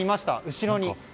後ろに。